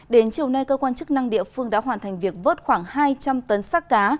đến chiều nay cơ quan chức năng địa phương đã hoàn thành việc vớt khoảng hai trăm linh tấn sắc cá